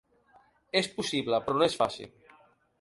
És possible, però no és fàcil.